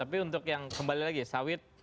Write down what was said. tapi untuk yang kembali lagi ya sawit